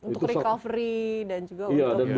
untuk recovery dan juga untuk